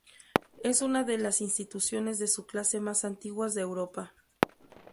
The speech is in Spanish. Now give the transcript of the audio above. Es una de las instituciones de su clase más antiguas de Europa.